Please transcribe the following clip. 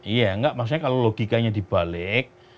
iya enggak maksudnya kalau logikanya dibalik